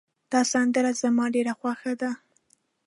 دا سندره زما ډېره خوښه ده